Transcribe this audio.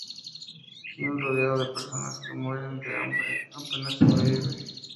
Jim, rodeado de personas que mueren de hambre, apenas sobrevive.